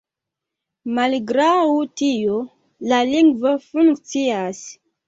Malgraŭ tio, la lingvo funkcias.